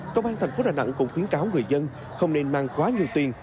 công an thành phố đà nẵng cũng khuyến cáo người dân không nên mang quá nhiều tiền